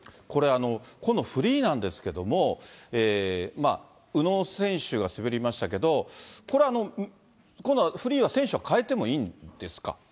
これ、今度フリーなんですけれども、宇野選手が滑りましたけど、これ、今度は、フリーは選手を変えてもいいんですか？